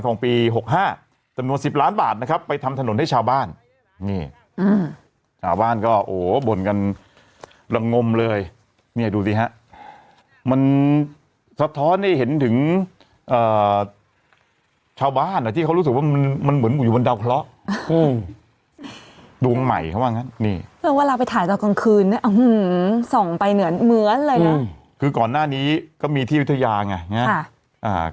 นี่ขี่มอเตอร์ไซค์ไงให้เหมือนขี่ม้ากรุ๊บ